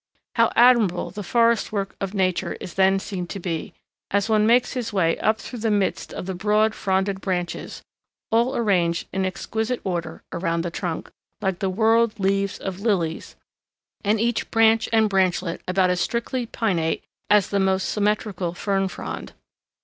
How admirable the forest work of Nature is then seen to be, as one makes his way up through the midst of the broad, fronded branches, all arranged in exquisite order around the trunk, like the whorled leaves of lilies, and each branch and branchlet about as strictly pinnate as the most symmetrical fern frond.